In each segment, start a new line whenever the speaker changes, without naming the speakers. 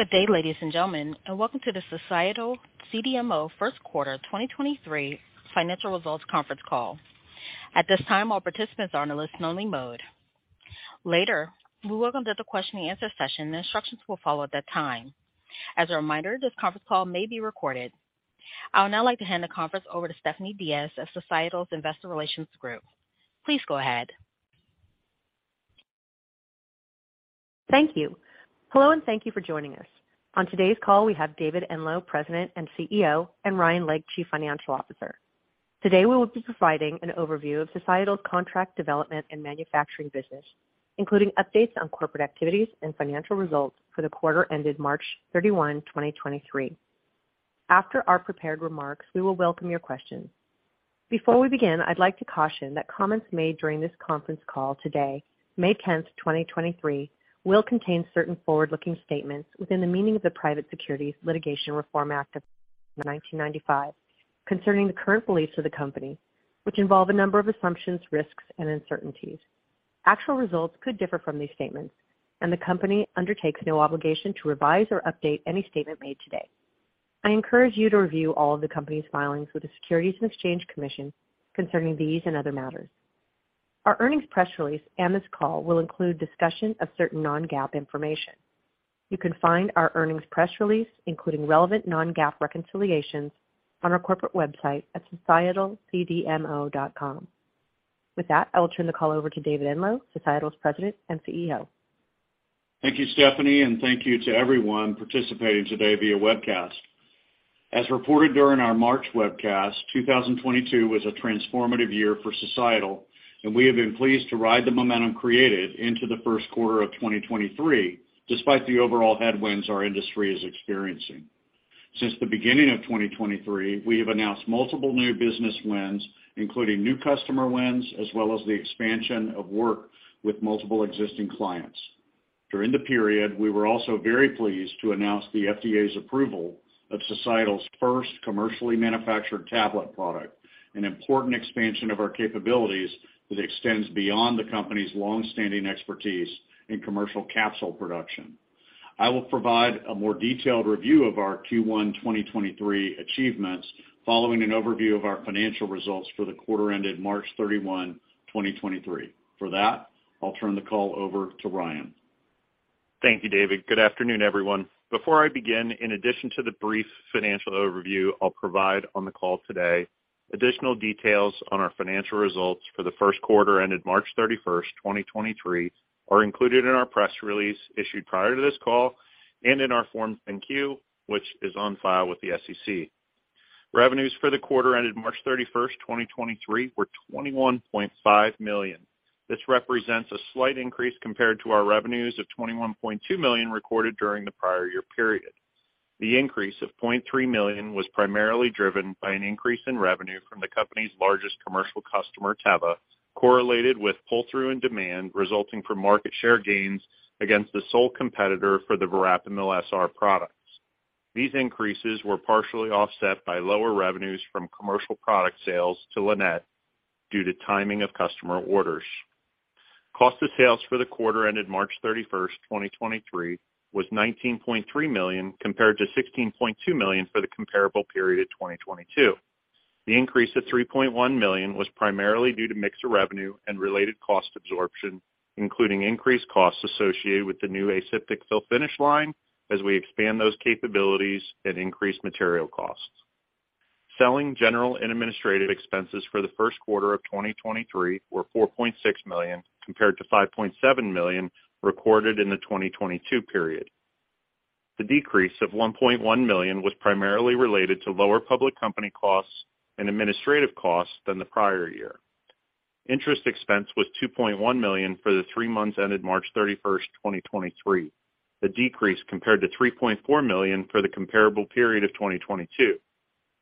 Good day, ladies and gentlemen, welcome to the Societal CDMO First Quarter 2023 Financial Results Conference Call. At this time, all participants are on a listen only mode. Later, we will conduct the question and answer session, and instructions will follow at that time. As a reminder, this conference call may be recorded. I would now like to hand the conference over to Stephanie Diaz of Societal's Investor Relations Group. Please go ahead.
Thank you. Hello, and thank you for joining us. On today's call, we have David Enloe, President and CEO, and Ryan Lake, Chief Financial Officer. Today, we will be providing an overview of Societal's contract development and manufacturing business, including updates on corporate activities and financial results for the quarter ended March 31, 2023. After our prepared remarks, we will welcome your questions. Before we begin, I'd like to caution that comments made during this conference call today, May 10, 2023, will contain certain forward-looking statements within the meaning of the Private Securities Litigation Reform Act of 1995 concerning the current beliefs of the company, which involve a number of assumptions, risks and uncertainties. Actual results could differ from these statements, and the company undertakes no obligation to revise or update any statement made today. I encourage you to review all of the company's filings with the Securities and Exchange Commission concerning these and other matters. Our earnings press release and this call will include discussion of certain non-GAAP information. You can find our earnings press release, including relevant non-GAAP reconciliations on our corporate website at societalcdmo.com. With that, I will turn the call over to David Enloe, Societal's President and CEO.
Thank you, Stephanie, and thank you to everyone participating today via webcast. As reported during our March webcast, 2022 was a transformative year for Societal, and we have been pleased to ride the momentum created into the first quarter of 2023, despite the overall headwinds our industry is experiencing. Since the beginning of 2023, we have announced multiple new business wins, including new customer wins, as well as the expansion of work with multiple existing clients. During the period, we were also very pleased to announce the FDA's approval of Societal's first commercially manufactured tablet product, an important expansion of our capabilities that extends beyond the company's long-standing expertise in commercial capsule production. I will provide a more detailed review of our Q1 2023 achievements following an overview of our financial results for the quarter ended March 31, 2023. For that, I'll turn the call over to Ryan.
Thank you, David. Good afternoon, everyone. Before I begin, in addition to the brief financial overview I'll provide on the call today, additional details on our financial results for the first quarter ended March 31st, 2023 are included in our press release issued prior to this call and in our Form 10-Q, which is on file with the SEC. Revenues for the quarter ended March 31st, 2023 were 21.5 million. This represents a slight increase compared to our revenues of 21.2 million recorded during the prior year period. The increase of $0.3 million was primarily driven by an increase in revenue from the company's largest commercial customer, Teva, correlated with pull-through and demand resulting from market share gains against the sole competitor for the Verapamil SR products. These increases were partially offset by lower revenues from commercial product sales to Lannett due to timing of customer orders. Cost of sales for the quarter ended March 31st, 2023 was 19.3 million, compared to 16.2 million for the comparable period of 2022. The increase of 3.1 million was primarily due to mix of revenue and related cost absorption, including increased costs associated with the new aseptic fill finish line as we expand those capabilities and increase material costs. Selling general and administrative expenses for the first quarter of 2023 were 4.6 million, compared to 5.7 million recorded in the 2022 period. The decrease of 1.1 million was primarily related to lower public company costs and administrative costs than the prior year. Interest expense was 2.1 million for the three months ended March 31, 2023, a decrease compared to 3.4 million for the comparable period of 2022.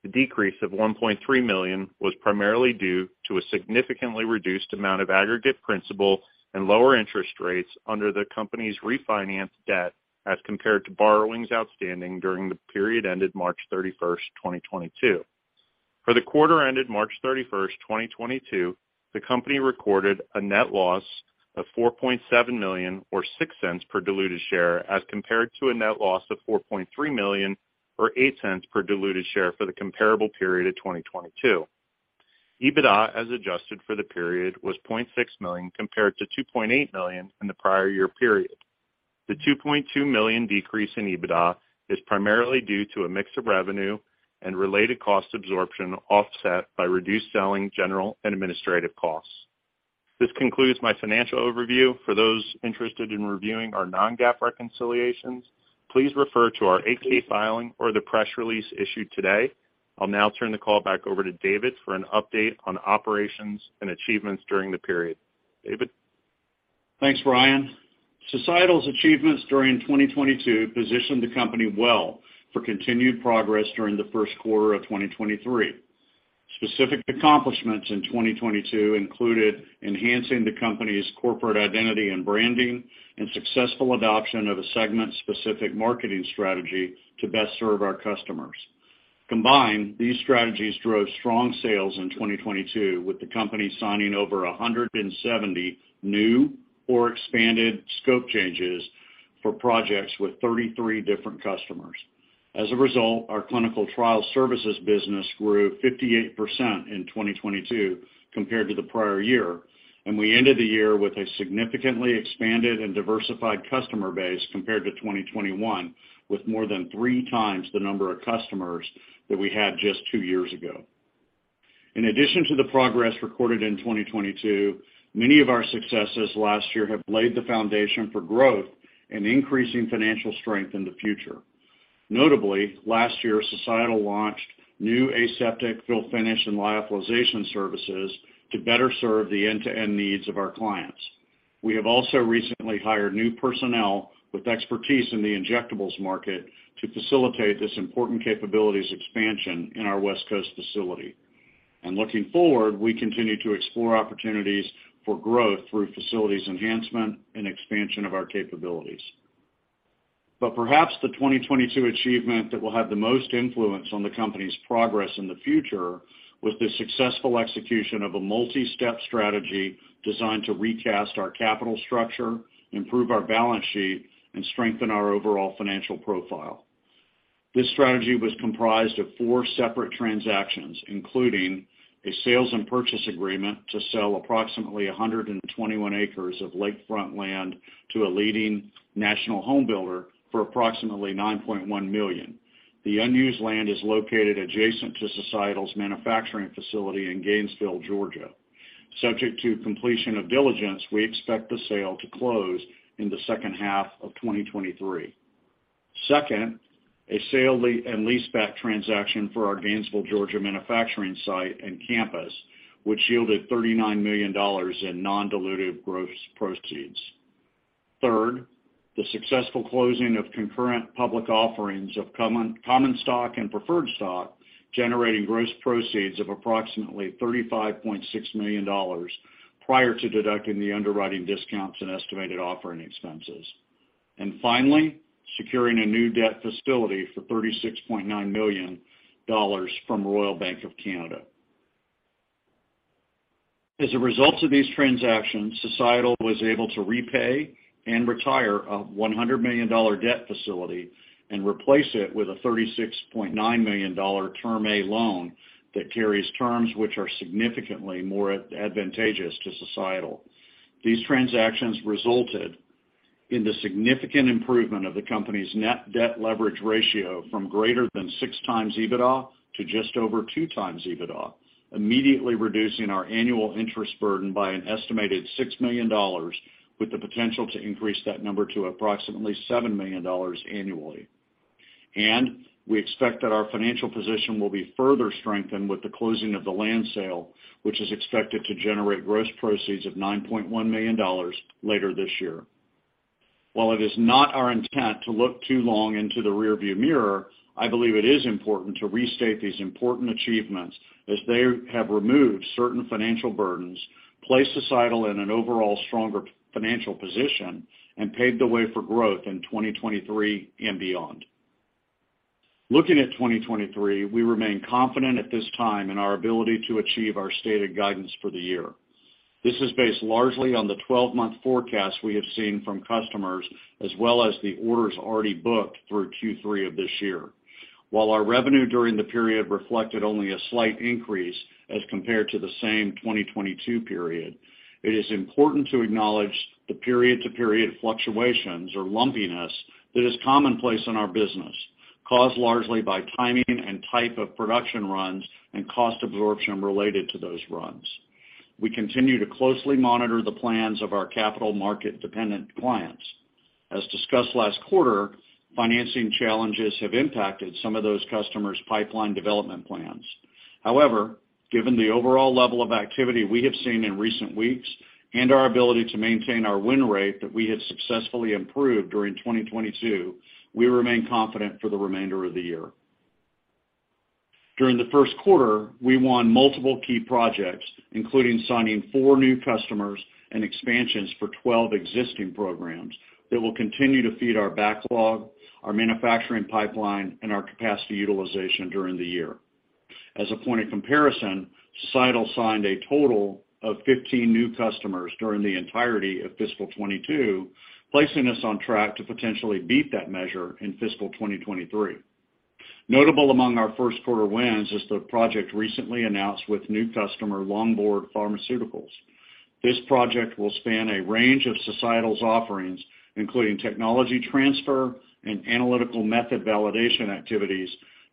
The decrease of 1.3 million was primarily due to a significantly reduced amount of aggregate principal and lower interest rates under the company's refinanced debt as compared to borrowings outstanding during the period ended March 31, 2022. For the quarter ended March 31, 2022, the company recorded a net loss of 4.7 million, or 0.06 per diluted share, as compared to a net loss of 4.3 million, or 0.08 per diluted share for the comparable period of 2022. EBITDA as adjusted for the period was 0.6 million compared to 2.8 million in the prior year period. The 2.2 million decrease in EBITDA is primarily due to a mix of revenue and related cost absorption offset by reduced selling general and administrative costs. This concludes my financial overview. For those interested in reviewing our non-GAAP reconciliations, please refer to our SEC filing or the press release issued today. I'll now turn the call back over to David for an update on operations and achievements during the period. David?
Thanks, Ryan. Societal's achievements during 2022 positioned the company well for continued progress during the first quarter of 2023. Specific accomplishments in 2022 included enhancing the company's corporate identity and branding and successful adoption of a segment-specific marketing strategy to best serve our customers. Combined, these strategies drove strong sales in 2022, with the company signing over 170 new or expanded scope changes for projects with 33 different customers. As a result, our clinical trial services business grew 58% in 2022 compared to the prior year, and we ended the year with a significantly expanded and diversified customer base compared to 2021, with more than three times the number of customers that we had just two years ago. In addition to the progress recorded in 2022, many of our successes last year have laid the foundation for growth and increasing financial strength in the future. Notably, last year, Societal launched new aseptic fill finish and lyophilization services to better serve the end-to-end needs of our clients. We have also recently hired new personnel with expertise in the injectables market to facilitate this important capabilities expansion in our West Coast facility. Looking forward, we continue to explore opportunities for growth through facilities enhancement and expansion of our capabilities. Perhaps the 2022 achievement that will have the most influence on the company's progress in the future was the successful execution of a multi-step strategy designed to recast our capital structure, improve our balance sheet, and strengthen our overall financial profile. This strategy was comprised of four separate transactions, including a sales and purchase agreement to sell approximately 121 acres of lakefront land to a leading national home builder for approximately 9.1 million. The unused land is located adjacent to Societal's manufacturing facility in Gainesville, Georgia. Subject to completion of diligence, we expect the sale to close in the second half of 2023. Second, a sale and leaseback transaction for our Gainesville, Georgia, manufacturing site and campus, which yielded $39 million in non-dilutive gross proceeds. Third, the successful closing of concurrent public offerings of common stock and preferred stock, generating gross proceeds of approximately $35.6 million prior to deducting the underwriting discounts and estimated offering expenses. Finally, securing a new debt facility for $36.9 million from Royal Bank of Canada. As a result of these transactions, Societal was able to repay and retire a $100 million debt facility and replace it with a $36.9 million term loan that carries terms which are significantly more advantageous to Societal. These transactions resulted in the significant improvement of the company's net debt leverage ratio from greater than 6 times EBITDA to just over two times EBITDA, immediately reducing our annual interest burden by an estimated $6 million, with the potential to increase that number to approximately $7 million annually. We expect that our financial position will be further strengthened with the closing of the land sale, which is expected to generate gross proceeds of $9.1 million later this year. While it is not our intent to look too long into the rearview mirror, I believe it is important to restate these important achievements as they have removed certain financial burdens, placed Societal in an overall stronger financial position, and paved the way for growth in 2023 and beyond. Looking at 2023, we remain confident at this time in our ability to achieve our stated guidance for the year. This is based largely on the 12-month forecast we have seen from customers, as well as the orders already booked through Q3 of this year. While our revenue during the period reflected only a slight increase as compared to the same 2022 period, it is important to acknowledge the period-to-period fluctuations or lumpiness that is commonplace in our business, caused largely by timing and type of production runs and cost absorption related to those runs. We continue to closely monitor the plans of our capital market-dependent clients. As discussed last quarter, financing challenges have impacted some of those customers' pipeline development plans. However, given the overall level of activity we have seen in recent weeks and our ability to maintain our win rate that we have successfully improved during 2022, we remain confident for the remainder of the year. During the first quarter, we won multiple key projects, including signing four new customers and expansions for 12 existing programs that will continue to feed our backlog, our manufacturing pipeline, and our capacity utilization during the year. As a point of comparison, Societal signed a total of 15 new customers during the entirety of fiscal 2022, placing us on track to potentially beat that measure in fiscal 2023. Notable among our first quarter wins is the project recently announced with new customer Longboard Pharmaceuticals. This project will span a range of Societal's offerings, including technology transfer and analytical method validation activities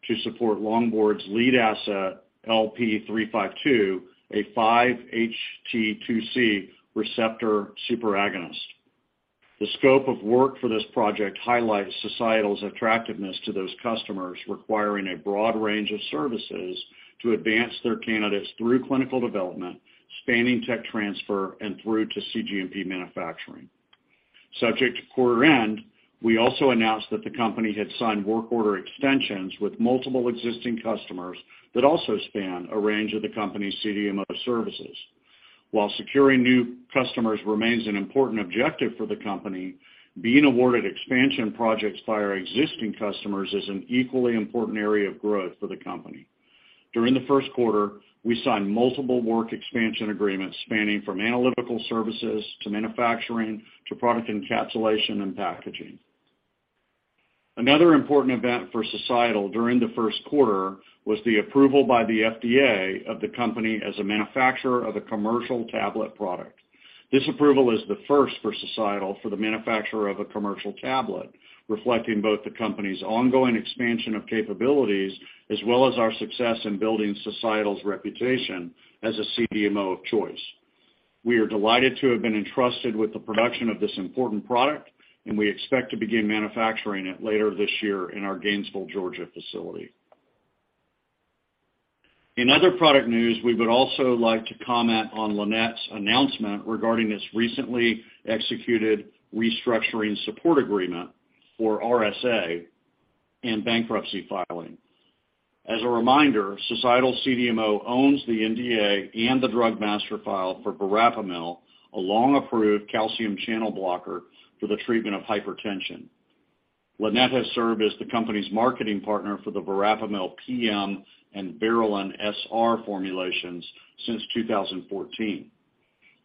to support Longboard's lead asset, LP352, a 5-HT2C receptor superagonist. The scope of work for this project highlights Societal's attractiveness to those customers requiring a broad range of services to advance their candidates through clinical development, spanning tech transfer and through to cGMP manufacturing. Subject to quarter-end, we also announced that the company had signed work order extensions with multiple existing customers that also span a range of the company's CDMO services. While securing new customers remains an important objective for the company, being awarded expansion projects by our existing customers is an equally important area of growth for the company. During the first quarter, we signed multiple work expansion agreements spanning from analytical services to manufacturing to product encapsulation and packaging. Another important event for Societal during the first quarter was the approval by the FDA of the company as a manufacturer of a commercial tablet product. This approval is the first for Societal for the manufacturer of a commercial tablet, reflecting both the company's ongoing expansion of capabilities as well as our success in building Societal's reputation as a CDMO of choice. We are delighted to have been entrusted with the production of this important product, and we expect to begin manufacturing it later this year in our Gainesville, Georgia facility. In other product news, we would also like to comment on Lannett's announcement regarding its recently executed restructuring support agreement for RSA and bankruptcy filing. As a reminder, Societal CDMO owns the NDA and the drug master file for Verapamil, a long-approved calcium channel blocker for the treatment of hypertension. Lannett has served as the company's marketing partner for the Verapamil PM and Verelan SR formulations since 2014.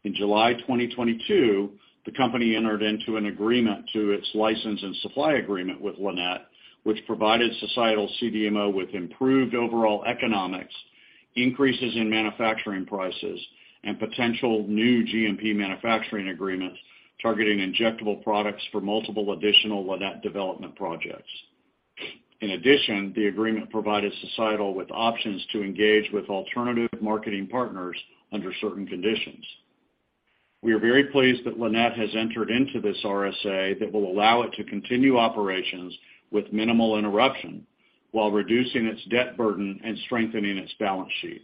In July 2022, the company entered into an agreement to its license and supply agreement with Lannett, which provided Societal CDMO with improved overall economics, increases in manufacturing prices, and potential new GMP manufacturing agreements targeting injectable products for multiple additional Lannett development projects. In addition, the agreement provided Societal with options to engage with alternative marketing partners under certain conditions. We are very pleased that Lannett has entered into this RSA that will allow it to continue operations with minimal interruption while reducing its debt burden and strengthening its balance sheet.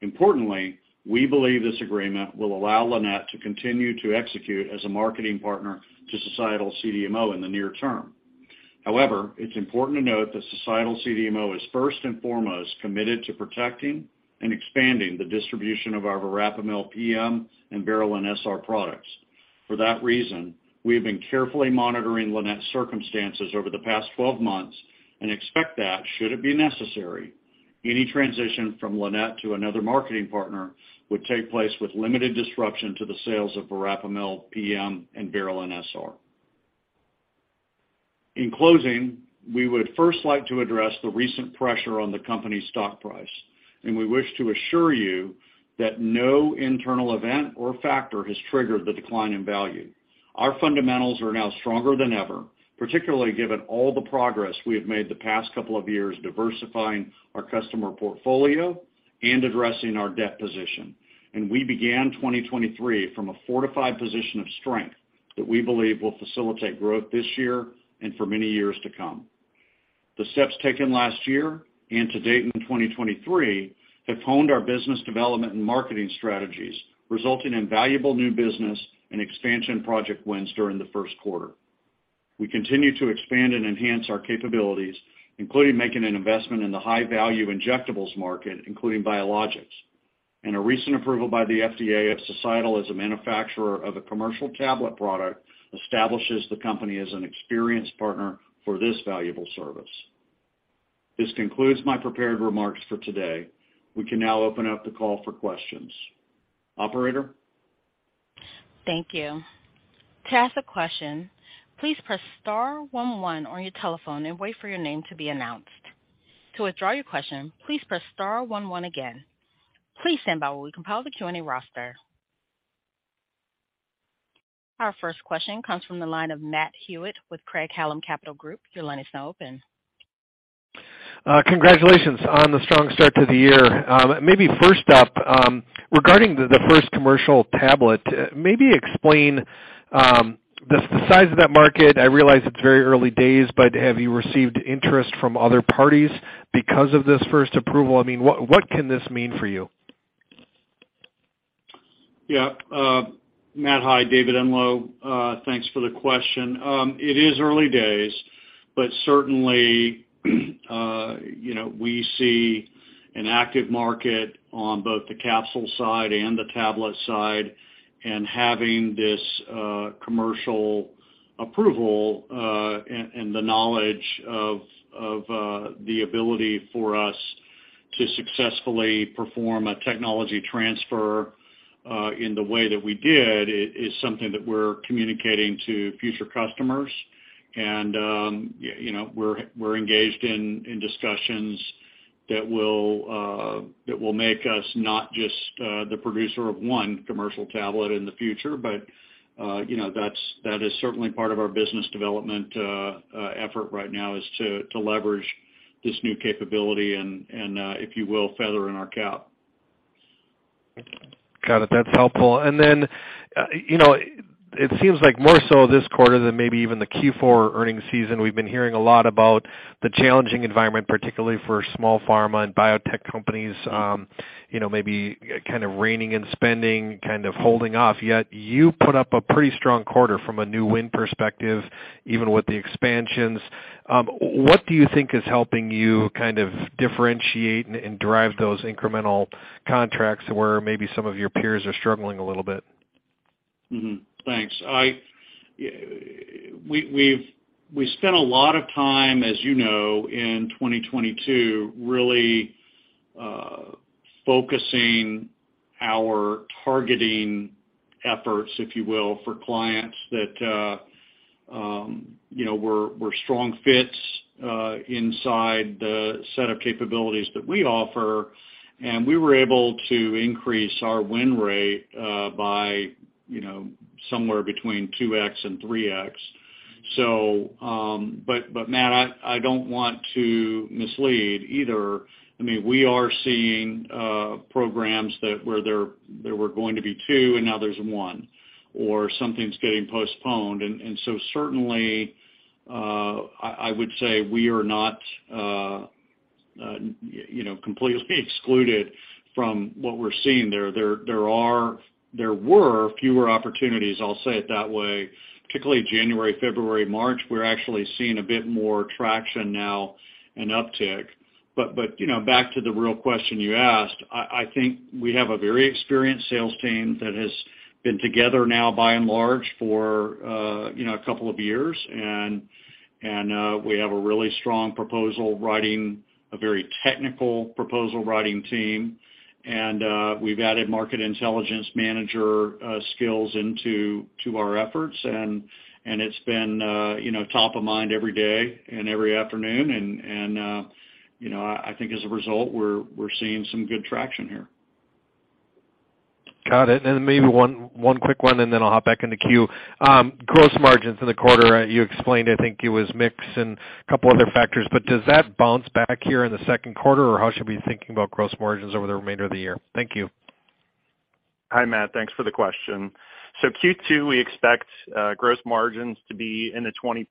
Importantly, we believe this agreement will allow Lannett to continue to execute as a marketing partner to Societal CDMO in the near term. It's important to note that Societal CDMO is first and foremost committed to protecting and expanding the distribution of our Verapamil PM and Verelan SR products. We have been carefully monitoring Lannett's circumstances over the past 12 months and expect that should it be necessary, any transition from Lannett to another marketing partner would take place with limited disruption to the sales of Verapamil PM and Verelan SR. We would first like to address the recent pressure on the company's stock price, and we wish to assure you that no internal event or factor has triggered the decline in value. Our fundamentals are now stronger than ever, particularly given all the progress we have made the past couple of years diversifying our customer portfolio and addressing our debt position. We began 2023 from a fortified position of strength that we believe will facilitate growth this year and for many years to come. The steps taken last year and to date in 2023 have honed our business development and marketing strategies, resulting in valuable new business and expansion project wins during the first quarter. We continue to expand and enhance our capabilities, including making an investment in the high-value injectables market, including biologics. A recent approval by the FDA of Societal as a manufacturer of a commercial tablet product establishes the company as an experienced partner for this valuable service. This concludes my prepared remarks for today. We can now open up the call for questions. Operator?
Thank you. To ask a question, please press star 11 on your telephone and wait for your name to be announced. To withdraw your question, please press star 11 again. Please stand by while we compile the Q&A roster. Our first question comes from the line of Matt Hewitt with Craig-Hallum Capital Group. Your line is now open.
Congratulations on the strong start to the year. Maybe first up, regarding the first commercial tablet, maybe explain the size of that market. I realize it's very early days, but have you received interest from other parties because of this first approval? I mean, what can this mean for you?
Yeah. Matt, hi. David Enloe. Thanks for the question. It is early days, but certainly, you know, we see an active market on both the capsule side and the tablet side. Having this commercial approval and the knowledge of the ability for us to successfully perform a technology transfer in the way that we did is something that we're communicating to future customers. You know, we're engaged in discussions that will make us not just the producer of one commercial tablet in the future, but, you know, that is certainly part of our business development effort right now is to leverage this new capability and, if you will, feather in our cap.
Got it. That's helpful. You know, it seems like more so this quarter than maybe even the Q4 earnings season, we've been hearing a lot about the challenging environment, particularly for small pharma and biotech companies, you know, maybe kind of reining in spending, kind of holding off. You put up a pretty strong quarter from a new win perspective, even with the expansions. What do you think is helping you kind of differentiate and drive those incremental contracts where maybe some of your peers are struggling a little bit?
Thanks. We spent a lot of time, as you know, in 2022, really, focusing our targeting efforts, if you will, for clients that, you know, were strong fits inside the set of capabilities that we offer. We were able to increase our win rate, by, you know, somewhere between 2x and 3x. Matt, I don't want to mislead either. I mean, we are seeing programs that where there were going to be two and now there's one, or something's getting postponed. Certainly, I would say we are not, you know, completely excluded from what we're seeing there. There were fewer opportunities, I'll say it that way, particularly January, February, March. We're actually seeing a bit more traction now and uptick. You know, back to the real question you asked, I think we have a very experienced sales team that has been together now, by and large, for, you know, a couple of years. We have a really strong proposal writing, a very technical proposal writing team. We've added market intelligence manager, skills to our efforts. It's been, you know, top of mind every day and every afternoon. You know, I think as a result, we're seeing some good traction here.
Got it. Maybe one quick one, I'll hop back in the queue. Gross margins in the quarter, you explained, I think it was mix and a couple other factors. Does that bounce back here in the second quarter? How should we be thinking about gross margins over the remainder of the year? Thank you.
Hi, Matt. Thanks for the question. Q2, we expect gross margins to be in the 20%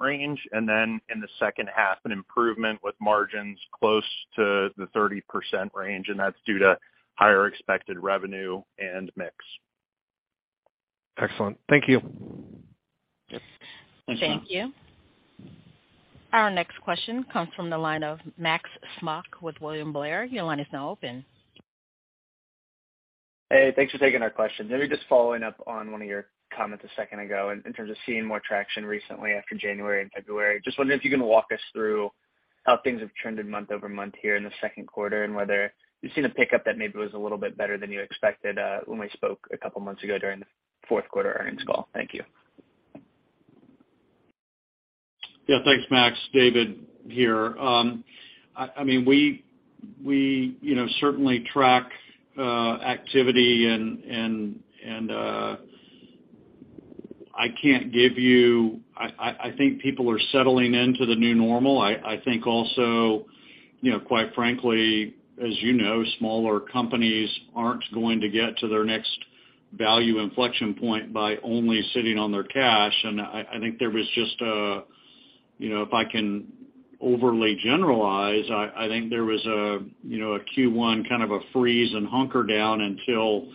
range, and then in the second half an improvement with margins close to the 30% range, and that's due to higher expected revenue and mix.
Excellent. Thank you.
Yep.
Thanks, Matt.
Thank you. Our next question comes from the line of Max Smock with William Blair. Your line is now open.
Hey, thanks for taking our question. Maybe just following up on one of your comments a second ago in terms of seeing more traction recently after January and February. Just wondering if you can walk us through how things have trended month-over-month here in the second quarter, and whether you've seen a pickup that maybe was a little bit better than you expected when we spoke a couple months ago during the fourth quarter earnings call. Thank you.
Yeah, thanks, Max. David here. I mean we, you know, certainly track activity and I can't give you... I think people are settling into the new normal. I think also, you know, quite frankly, as you know, smaller companies aren't going to get to their next value inflection point by only sitting on their cash. I think there was just a, you know, if I can overly generalize, I think there was a, you know, a Q1 kind of a freeze and hunker down until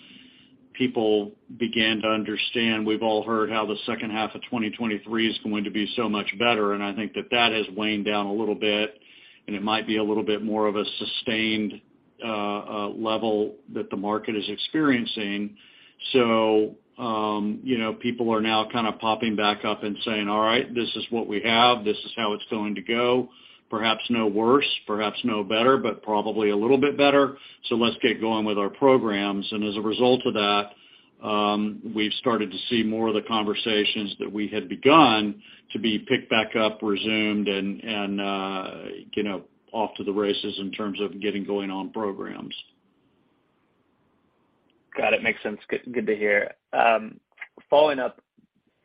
people began to understand. We've all heard how the second half of 2023 is going to be so much better, and I think that that has waned down a little bit, and it might be a little bit more of a sustained level that the market is experiencing. You know, people are now kind of popping back up and saying, "All right, this is what we have. This is how it's going to go. Perhaps no worse, perhaps no better, but probably a little bit better, so let's get going with our programs." As a result of that, we've started to see more of the conversations that we had begun to be picked back up, resumed, and, you know, off to the races in terms of getting going on programs.
Got it. Makes sense. Good to hear. following up,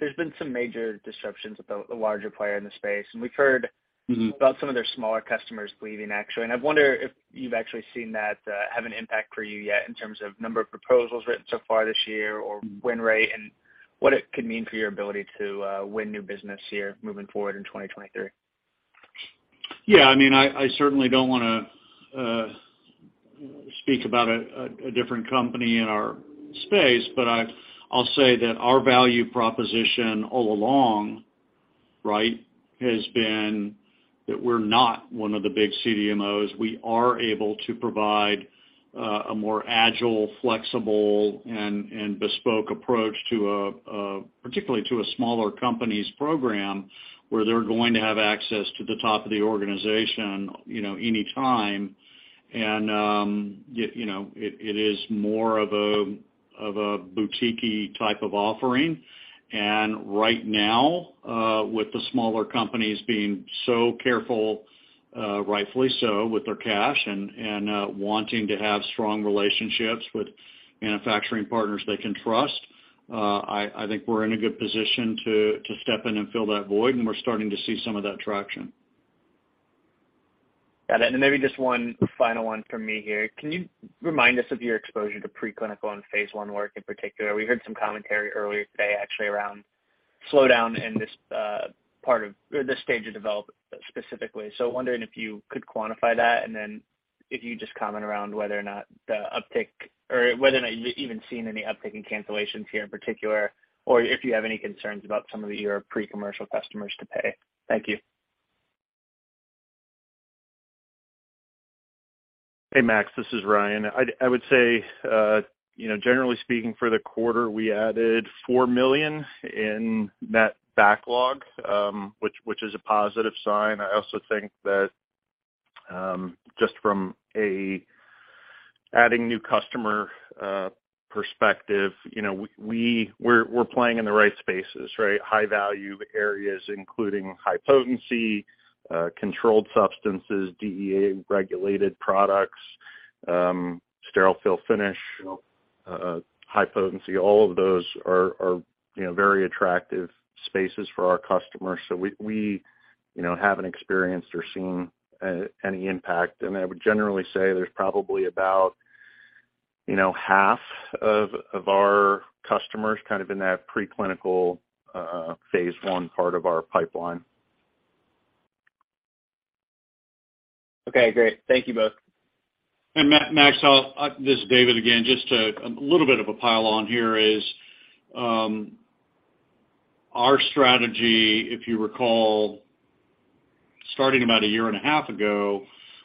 there's been some major disruptions with the larger player in the space, and we've heard.
Mm-hmm...
about some of their smaller customers leaving actually. I wonder if you've actually seen that, have an impact for you yet in terms of number of proposals written so far this year or win rate and what it could mean for your ability to, win new business here moving forward in 2023?
I mean, I certainly don't want to, you know, speak about a different company in our space, but I'll say that our value proposition all along, right, has been that we're not one of the big CDMOs. We are able to provide a more agile, flexible and bespoke approach to particularly to a smaller company's program, where they're going to have access to the top of the organization, you know, any time. You know, it is more of a boutiquey type of offering. Right now, with the smaller companies being so careful, rightfully so, with their cash and wanting to have strong relationships with manufacturing partners they can trust, I think we're in a good position to step in and fill that void, and we're starting to see some of that traction.
Got it. Maybe just one final one from me here. Can you remind us of your exposure to preclinical and phase I work in particular? We heard some commentary earlier today actually around slowdown in this stage of development specifically. Wondering if you could quantify that, if you just comment around whether or not the uptick or whether or not you've even seen any uptick in cancellations here in particular, or if you have any concerns about some of your pre-commercial customers to pay. Thank you.
Hey, Max, this is Ryan. I would say, you know, generally speaking, for the quarter, we added 4 million in net backlog, which is a positive sign. I also think that, just from a adding new customer perspective, you know, we're playing in the right spaces, right? High value areas, including high potency, controlled substances, DEA-regulated products, sterile fill finish, high potency. All of those are, you know, very attractive spaces for our customers. We, you know, haven't experienced or seen any impact. I would generally say there's probably about, you know, half of our customers kind of in that preclinical phase I part of our pipeline.
Okay, great. Thank you both.
Max, this is David again. Just a little bit of a pile on here is, our strategy, if you recall, starting about a year and a half ago,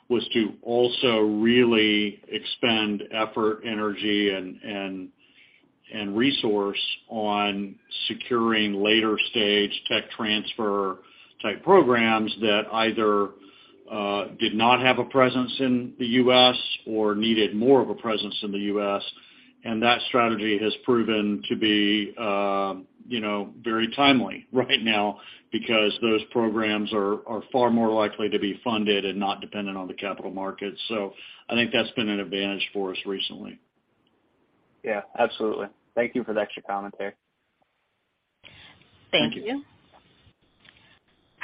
was to also really expend effort, energy and resource on securing later stage tech transfer type programs that either did not have a presence in the U.S. or needed more of a presence in the U.S. That strategy has proven to be, you know, very timely right now because those programs are far more likely to be funded and not dependent on the capital markets. I think that's been an advantage for us recently.
Yeah, absolutely. Thank you for the extra commentary.
Thank you.
Thank you.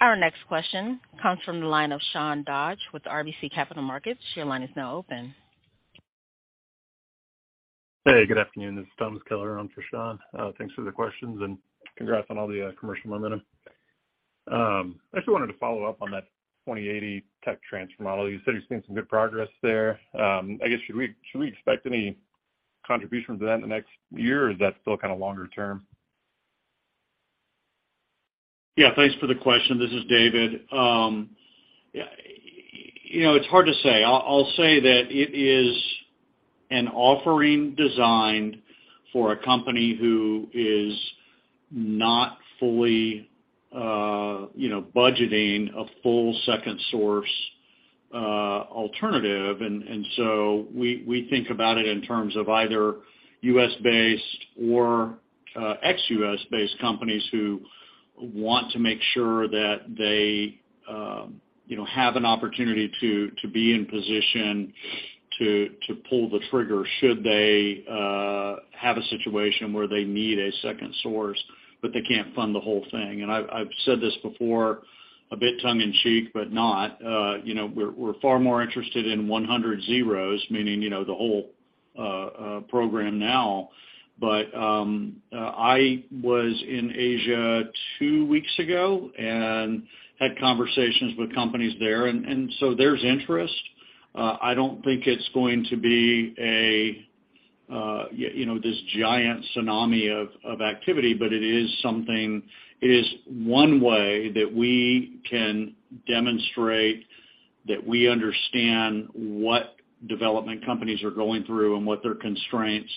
Our next question comes from the line of Sean Dodge with RBC Capital Markets. Your line is now open.
Hey, good afternoon. This is Thomas Kelliher on for Sean. Thanks for the questions and congrats on all the commercial momentum. I actually wanted to follow up on that 20/80 tech transfer model. You said you're seeing some good progress there. I guess, should we expect any contribution to that in the next year, or is that still kinda longer term?
Yeah, thanks for the question. This is David. You know, it's hard to say. I'll say that it is an offering designed for a company who is not fully, you know, budgeting a full second source alternative. We think about it in terms of either U.S.-based or ex-U.S.-based companies who want to make sure that they, you know, have an opportunity to be in position to pull the trigger should they have a situation where they need a second source, but they can't fund the whole thing. I've said this before, a bit tongue in cheek, but not, you know, we're far more interested in 100 zeros, meaning, you know, the whole program now. I was in Asia two weeks ago and had conversations with companies there. There's interest. I don't think it's going to be a, you know, this giant tsunami of activity, but it is something. It is one way that we can demonstrate that we understand what development companies are going through and what their constraints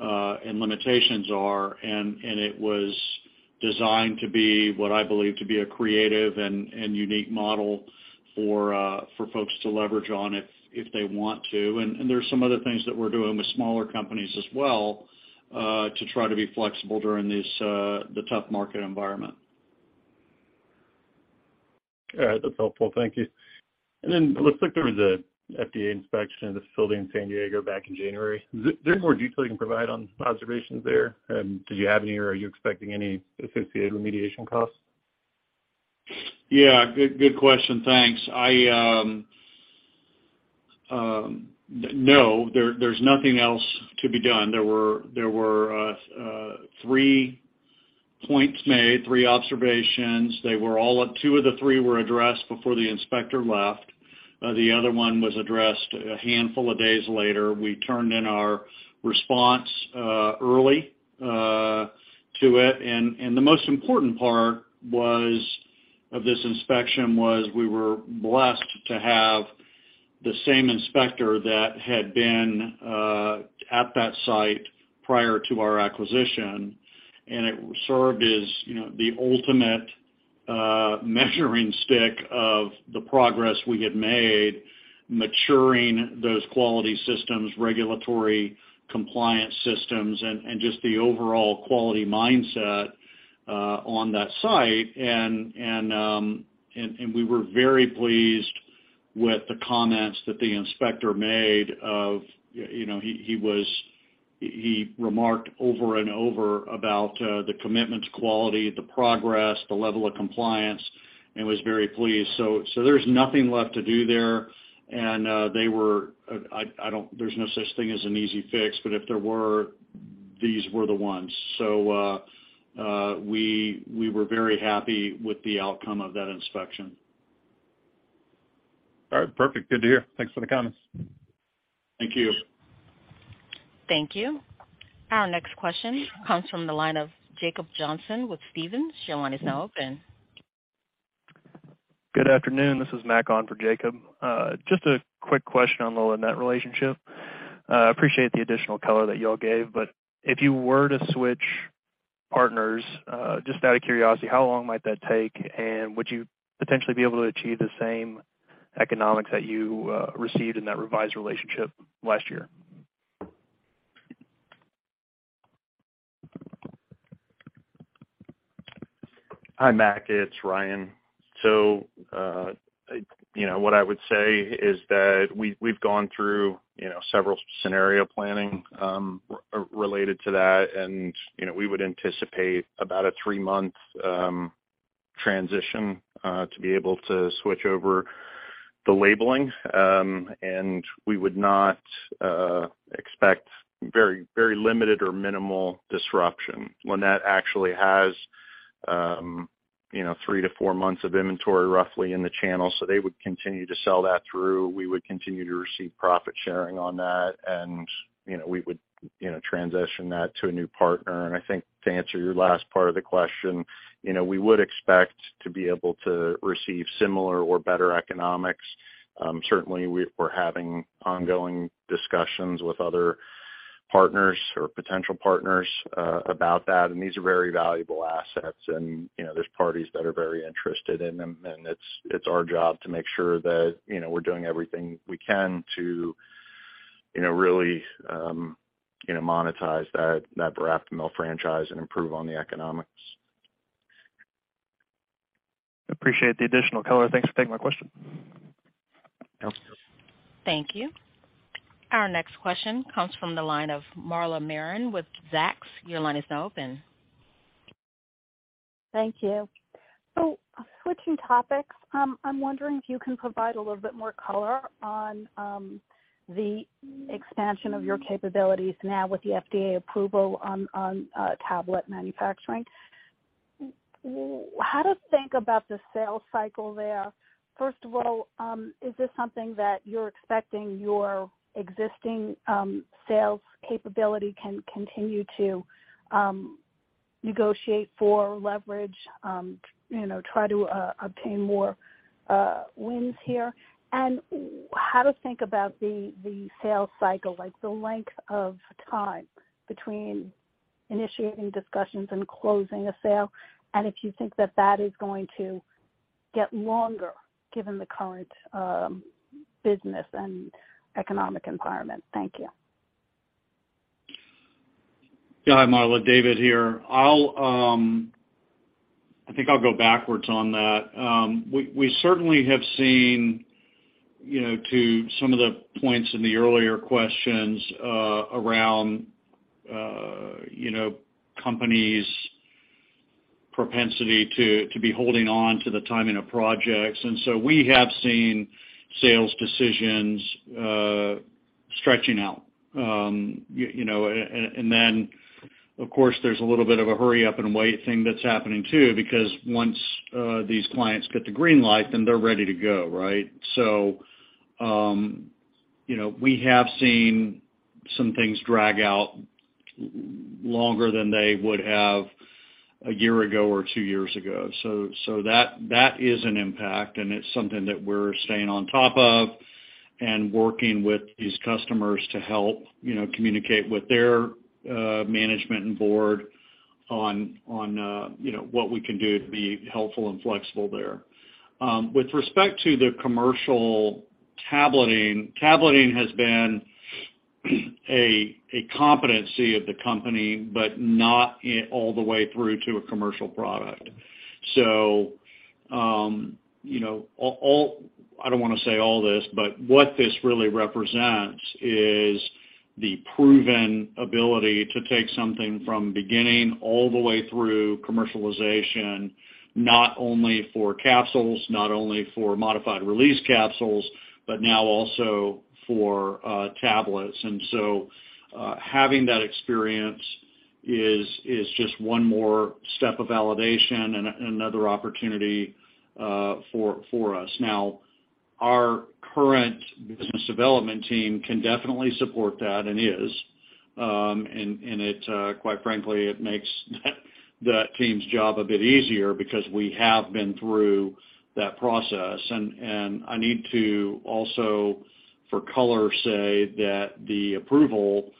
and limitations are. It was designed to be what I believe to be a creative and unique model for folks to leverage on if they want to. There's some other things that we're doing with smaller companies as well, to try to be flexible during this, the tough market environment.
All right. That's helpful. Thank you. Then it looks like there was a FDA inspection of the facility in San Diego back in January. Is there any more detail you can provide on observations there? Did you have any or are you expecting any associated remediation costs?
Yeah, good question. Thanks. No, there's nothing else to be done. There were three points made, three observations. Two of the three were addressed before the inspector left. The other one was addressed a handful of days later. We turned in our response early to it. The most important part was, of this inspection, was we were blessed to have the same inspector that had been at that site prior to our acquisition. It served as, you know, the ultimate measuring stick of the progress we had made maturing those quality systems, regulatory compliance systems, and just the overall quality mindset on that site. We were very pleased with the comments that the inspector made of, you know, he remarked over and over about the commitment to quality, the progress, the level of compliance, and was very pleased. There's nothing left to do there. They were, I don't. There's no such thing as an easy fix, but if there were, these were the ones. We were very happy with the outcome of that inspection.
All right. Perfect. Good to hear. Thanks for the comments.
Thank you.
Thank you. Our next question comes from the line of Jacob Johnson with Stephens. Your line is now open. Good afternoon. This is Mac on for Jacob. Just a quick question on the Lannett relationship. Appreciate the additional color that y'all gave, but if you were to switch partners, just out of curiosity, how long might that take? Would you potentially be able to achieve the same economics that you received in that revised relationship last year?
Hi, Mac, it's Ryan. You know, what I would say is that we've gone through, you know, several scenario planning related to that. You know, we would anticipate about a three-month transition to be able to switch over the labeling. We would not expect very limited or minimal disruption. Lannett actually has, you know, three to four months of inventory roughly in the channel, so they would continue to sell that through. We would continue to receive profit sharing on that and, you know, we would transition that to a new partner. I think to answer your last part of the question, you know, we would expect to be able to receive similar or better economics. Certainly we're having ongoing discussions with other partners or potential partners about that. These are very valuable assets and, you know, there's parties that are very interested in them, and it's our job to make sure that, you know, we're doing everything we can to, you know, really, you know, monetize that Verapamil franchise and improve on the economics. Appreciate the additional color. Thanks for taking my question.
Yeah.
Thank you. Our next question comes from the line of Marla Marin with Zacks. Your line is now open.
Thank you. Switching topics, I'm wondering if you can provide a little bit more color on the expansion of your capabilities now with the FDA approval on tablet manufacturing. How to think about the sales cycle there. First of all, is this something that you're expecting your existing sales capability can continue to negotiate for leverage, you know, try to obtain more wins here? How to think about the sales cycle, like the length of time between initiating discussions and closing a sale, and if you think that that is going to get longer given the current business and economic environment. Thank you.
Yeah, hi, Marla, David here. I'll, I think I'll go backwards on that. We certainly have seen, you know, to some of the points in the earlier questions, around, you know, companies' propensity to be holding on to the timing of projects. We have seen sales decisions stretching out. You know, and then of course there's a little bit of a hurry up and wait thing that's happening too, because once these clients get the green light, then they're ready to go, right? You know, we have seen some things drag out longer than they would have a year ago or two years ago. That is an impact, and it's something that we're staying on top of and working with these customers to help, you know, communicate with their management and board on, you know, what we can do to be helpful and flexible there. With respect to the commercial tableting has been a competency of the company, but not all the way through to a commercial product. You know, all I don't want to say all this, but what this really represents is the proven ability to take something from beginning all the way through commercialization, not only for capsules, not only for modified release capsules, but now also for tablets. Having that experience is just one more step of validation and another opportunity for us. Our current business development team can definitely support that and is, quite frankly, it makes that team's job a bit easier because we have been through that process. I need to also, for color, say that the approval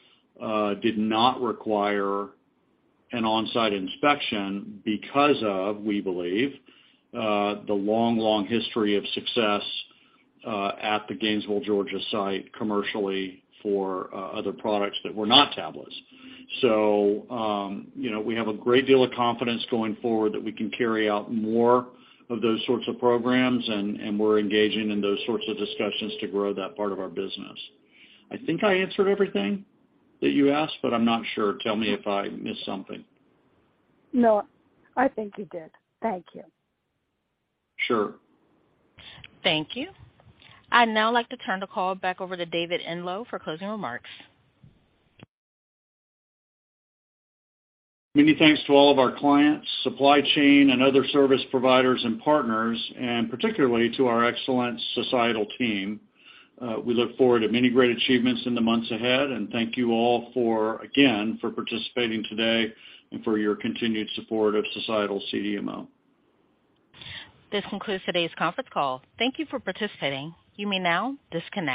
did not require an on-site inspection because of, we believe, the long history of success at the Gainesville, Georgia site commercially for other products that were not tablets. You know, we have a great deal of confidence going forward that we can carry out more of those sorts of programs, and we're engaging in those sorts of discussions to grow that part of our business. I think I answered everything that you asked, but I'm not sure. Tell me if I missed something.
No, I think you did. Thank you.
Sure.
Thank you. I'd now like to turn the call back over to David Enloe for closing remarks.
Many thanks to all of our clients, supply chain, and other service providers and partners, and particularly to our excellent Societal team. We look forward to many great achievements in the months ahead. Thank you all for, again, for participating today and for your continued support of Societal CDMO.
This concludes today's conference call. Thank you for participating. You may now disconnect.